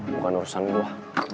bukan urusan gue